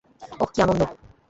ওহ, কী আনন্দ।